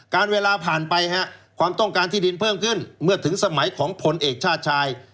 เวลาผ่านไปความต้องการที่ดินเพิ่มขึ้นเมื่อถึงสมัยของผลเอกชาติชาย